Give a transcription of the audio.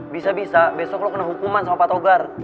bisa bisa besok lo kena hukuman sama pak togar